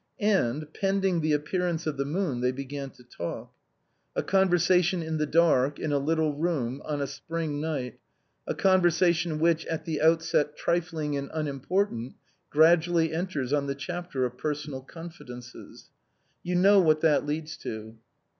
And, pending the appearance of the moon, they began to talk. A conversation in the dark, in a little room, on a spring night; a conversation which, at the outset trifling and unimportant, gradually enters on the chapter of per sonal confidences. You know what that leads to.